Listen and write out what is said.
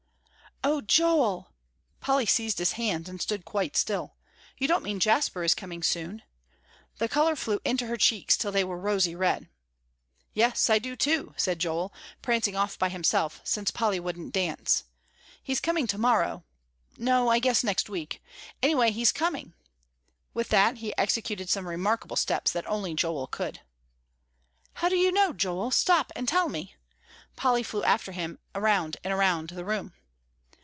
"Oh, Joel," Polly seized his hands and stood quite still, "you don't mean Jasper is coming soon?" The color flew into her cheeks till they were rosy red. "Yes, I do, too," said Joel, prancing off by himself, since Polly wouldn't dance; "he's coming to morrow; no, I guess next week anyway, he's coming." With that he executed some remarkable steps as only Joel could. "How did you know, Joel? Stop and tell me." Polly flew after him around and around the room.